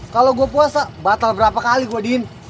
kalau gue puasa batal berapa kali gue diin